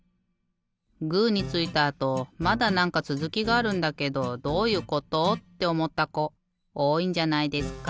グーについたあとまだなんかつづきがあるんだけどどういうこと？っておもったこおおいんじゃないですか？